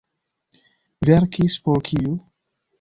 Verkis por kiu?